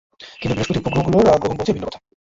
কিন্তু বৃহঃস্পতির উপগ্রহগুলোর গ্রহণ বলছে ভিন্ন কথা।